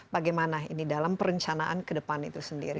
bagaimana ini dalam perencanaan kedepan itu sendiri